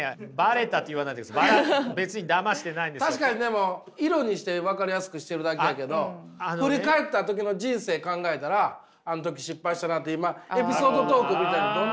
確かにでも色にして分かりやすくしてるだけやけど振り返った時の人生考えたらあの時失敗したなって今エピソードトークみたいなのどんどん言うてるから。